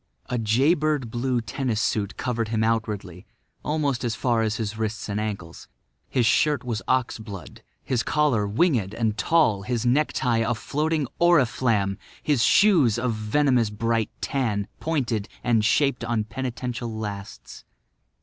A jay bird blue tennis suit covered him outwardly, almost as far as his wrists and ankles. His shirt was ox blood; his collar winged and tall; his necktie a floating oriflamme; his shoes a venomous bright tan, pointed and shaped on penitential lasts.